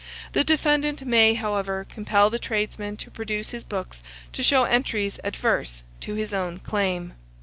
The defendant may, however, compel the tradesman to produce his books to show entries adverse to his own claim.